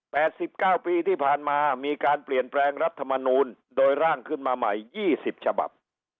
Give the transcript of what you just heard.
สิบเก้าปีที่ผ่านมามีการเปลี่ยนแปลงรัฐมนูลโดยร่างขึ้นมาใหม่ยี่สิบฉบับ